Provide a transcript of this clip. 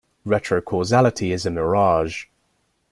Retrocausality is a mirage.